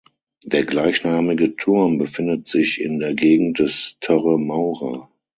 Der gleichnamige Turm befindet sich in der Gegend des Torre Maura.